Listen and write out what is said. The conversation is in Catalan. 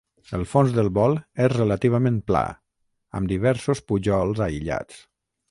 El fons del bol és relativament pla, amb diversos pujols aïllats.